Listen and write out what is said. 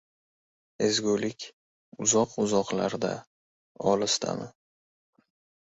— Ezgulik uzoq-uzoqlarda, olisdami?